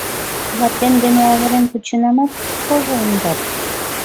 — Ватем дене авырен кученамат, вожылын дыр.